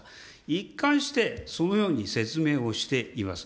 一貫してそのように説明をしています。